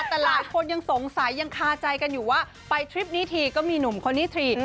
แต่หลายคนยังสงสัยยังคาใจกันอยู่ว่าไปทริปนี้ทีก็มีหนุ่มคนนี้ที